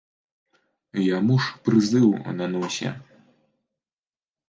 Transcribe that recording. Яму ж прызыў на носе.